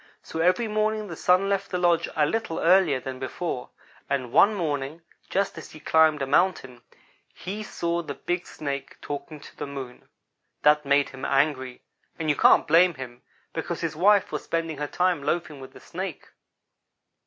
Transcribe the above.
So every morning the Sun left the lodge a little earlier than before; and one morning, just as he climbed a mountain, he saw the big Snake talking to the Moon. That made him angry, and you can't blame him, because his wife was spending her time loafing with a Snake.